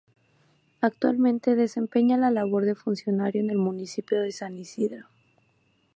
Actualmente desempeña la labor de funcionario en el Municipio de San Isidro.